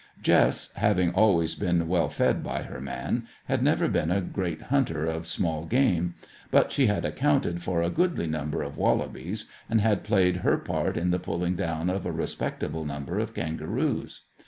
Jess, having always been well fed by her man, had never been a great hunter of small game; but she had accounted for a goodly number of wallabies, and had played her part in the pulling down of a respectable number of kangaroos.